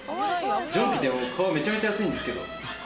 蒸気でもう顔めちゃめちゃ熱いんですけど。